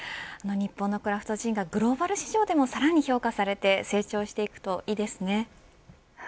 日本のクラフトジンがグローバル市場でもさらに評価されて成長していくといいですね。